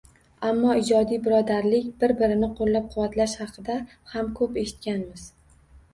Ammo ijodiy birodarlik, bir-birini qo`llab-quvvatlash haqida ham ko`p eshitganmiz